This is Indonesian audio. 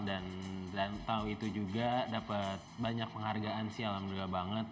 dan tau itu juga dapet banyak penghargaan sih alhamdulillah banget